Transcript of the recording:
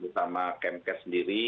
terutama kmk sendiri